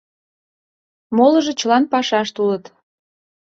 Молыжо чылан пашаште улыт.